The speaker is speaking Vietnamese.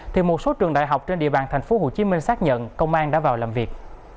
thì một số trường đại học trên địa bàn tp hcm xác nhận công an đã vào làm việc